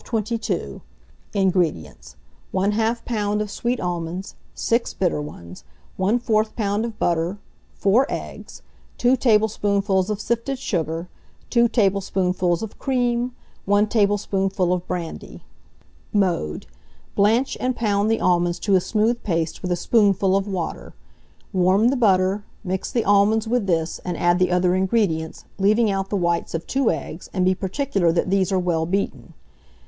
1222. INGREDIENTS. 1/2 lb. of sweet almonds, 6 bitter ones, 1/4 lb. of butter, 4 eggs, 2 tablespoonfuls of sifted sugar, 2 tablespoonfuls of cream, 1 tablespoonful of brandy. [Illustration: ALMOND PUDDINGS.] Mode. Blanch and pound the almonds to a smooth paste with a spoonful of water; warm the butter, mix the almonds with this, and add the other ingredients, leaving out the whites of 2 eggs, and be particular that these are well beaten.